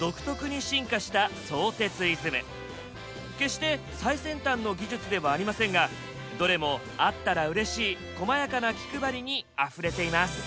決して最先端の技術ではありませんがどれもあったらうれしいこまやかな気配りにあふれています。